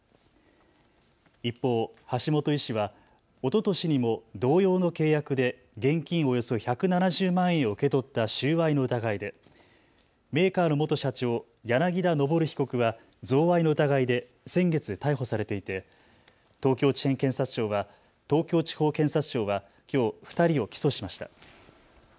一方、橋本医師はおととしにも同様の契約で現金およそ１７０万円を受け取った収賄の疑いで、メーカーの元社長、柳田昇被告は贈賄の疑いで先月逮捕されていて東京地方検察庁はきょう２人を起訴しました。